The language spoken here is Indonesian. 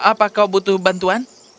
tuan apakah kau butuh bantuan